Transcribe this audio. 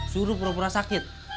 suruh purwora sakit